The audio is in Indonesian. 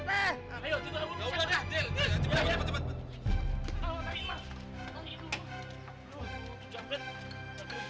tarian dulu kutu jamret